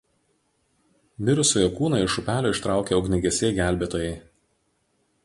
Mirusiojo kūną iš upelio ištraukė ugniagesiai gelbėtojai.